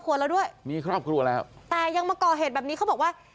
เธอบอกว่าเธอบอกว่าเธอบอกว่าเธอบอกว่าเธอบอกว่า